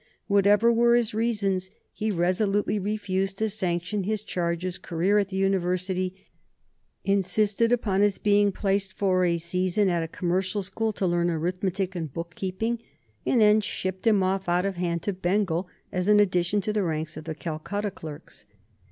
Whatever were his reasons, he resolutely refused to sanction his charge's career at the university, insisted upon his being placed for a season at a commercial school to learn arithmetic and book keeping, and then shipped him off out of hand to Bengal as an addition to the ranks of the Calcutta clerks.